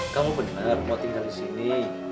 kamu benar mau tinggal di sini